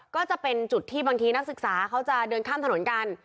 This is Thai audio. ก็จะเป็นจุดที่บางทีนักศึกษาเขาจะเดินข้ามถนนกัน